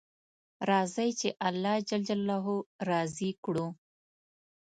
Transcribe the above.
راځئ چې الله جل جلاله راضي کړو